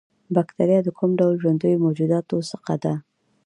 باکتریا د کوم ډول ژوندیو موجوداتو څخه ده